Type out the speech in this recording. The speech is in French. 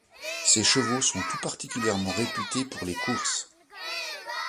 Ces chevaux sont tout particulièrement réputés pour les courses.